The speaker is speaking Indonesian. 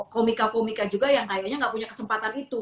komika komika juga yang kayaknya gak punya kesempatan itu